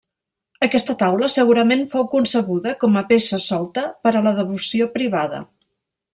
Aquesta taula segurament fou concebuda com a peça solta per a la devoció privada.